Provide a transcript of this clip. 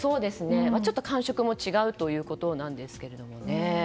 ちょっと感触も違うということなんですけど。